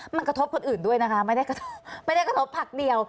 มันกระทบคนอื่นด้วยนะคะไม่ได้กระทบผักเดียว